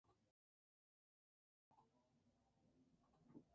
Los edificios e iglesias de la zona eran usados por varios tribunales.